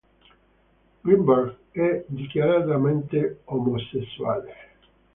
Greenberg è dichiaratamente omosessuale.